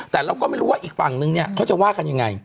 แต่เราก็ไม่รู้ว่าอีกฝั่งนึงเนี่ยเขาจะว่ากันยังไง